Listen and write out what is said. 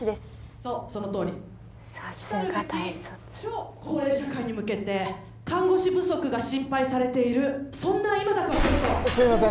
そうそのとおりさすが大卒超高齢社会に向けて看護師不足が心配されているそんな今だからこそすいません！